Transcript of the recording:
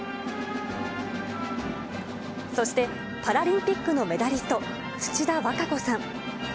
そしてパラリンピックのメダリスト、土田和歌子さん。